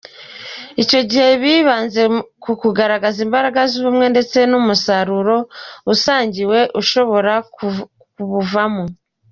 Icyo gihe bibanze ku kugaragaza imbaraga z’ubumwe ndetse n’umusaruro usangiwe ushobora kubuvamo.